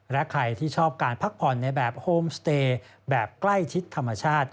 และใครที่ชอบการพักผ่อนในแบบโฮมสเตย์แบบใกล้ชิดธรรมชาติ